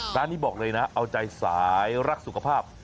ร้านนี้บอกเลยนะเอาใจสายรักสุขภาพ